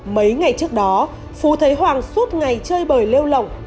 mấy ngày trước đó phú thấy hoàng suốt ngày chơi bời lêu lộng